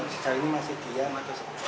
sekarang ini masih diam atau